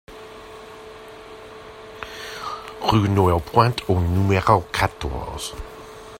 Rue Noël Pointe au numéro quatorze